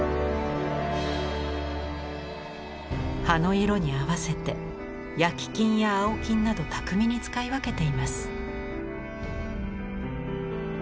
葉の色に合わせて焼金や青金など巧みに使い分けています。